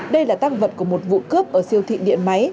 đây là tăng vật của một vụ cướp ở siêu thị điện máy